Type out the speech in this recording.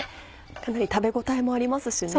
かなり食べ応えもありますしね。